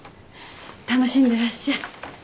楽しんでらっしゃい。